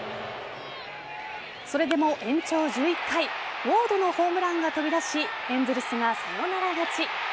それでも延長１１回ウォードのホームランが飛び出しエンゼルスがサヨナラ勝ち。